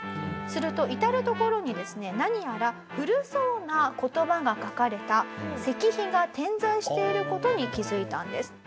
すると至る所にですね何やら古そうな言葉が書かれた石碑が点在している事に気づいたんです。